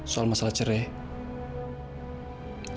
soal masalah cerai